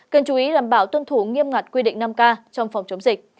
cần chú ý đảm bảo tuân thủ nghiêm ngặt quy định năm k trong phòng chống dịch